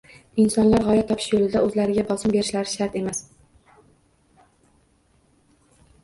Insonlar gʻoya topish yoʻlida oʻzlariga bosim berishlari shart emas